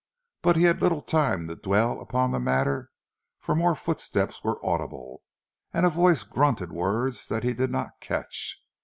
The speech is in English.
But he had little time to dwell upon the matter for more footsteps were audible, and a voice grunted words that he did not catch.